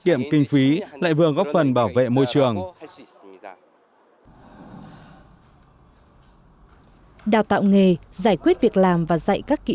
kiệm kinh phí lại vừa góp phần bảo vệ môi trường đào tạo nghề giải quyết việc làm và dạy các kỹ